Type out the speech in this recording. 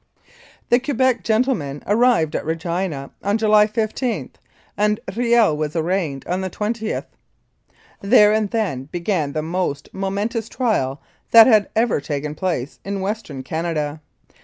The Quebec gentlemen arrived at Regina on July 15, and Riel was arraigned on the 2oth. There and then began the most momentous trial that had ever taken place in Western Canada.